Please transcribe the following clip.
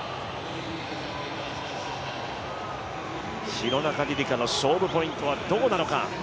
廣中璃梨佳の勝負ポイントはどこなのか。